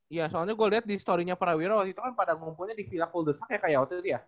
iya soalnya gue liat di story nya para wira waktu itu kan pada ngumpulnya di villa kuldesak ya kak yaot ya